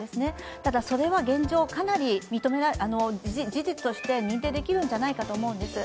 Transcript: ただ、それは現状かなり事実として認定できるじゃないかなと思うんです。